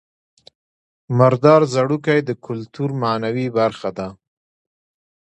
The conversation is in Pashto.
مردار ځړوکی د کولتور معنوي برخه ده